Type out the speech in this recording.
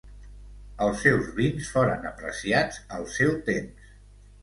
Els seus vins foren apreciats al seu temps.